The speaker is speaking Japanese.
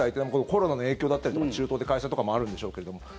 コロナの影響だったりとか中東で開催とかもあるんでしょうけれども。